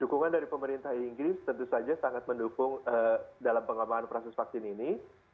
dukungan dari pemerintah inggris tentu saja sangat mendukung dalam pengembangan proses vaksin ini